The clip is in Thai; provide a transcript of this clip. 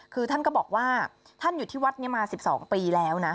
คือท่านก็บอกว่าท่านอยู่ที่วัดนี้มา๑๒ปีแล้วนะ